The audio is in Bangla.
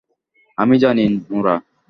আমি জানি, নোরা।